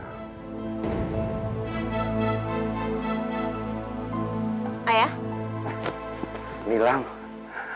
aku sudah mencari